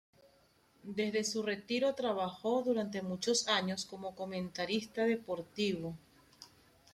Desde su retiro trabajó durante muchos años como comentarista deportivo.